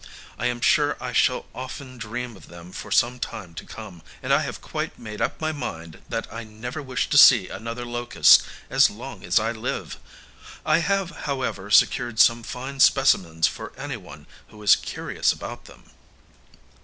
I am sure I shall often dream of them for some time to come, and I have quite made up my mind that I never wish to see another locust as long as I live. I have, however, secured some fine specimens for any one who is curious about them.